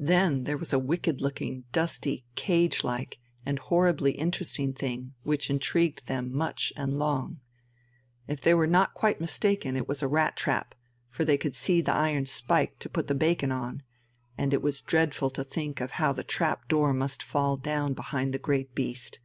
Then there was a wicked looking, dusty, cage like, and horribly interesting thing, which intrigued them much and long. If they were not quite mistaken, it was a rat trap, for they could see the iron spike to put the bacon on, and it was dreadful to think how the trap door must fall down behind the great beast....